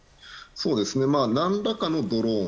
何らかのドローン。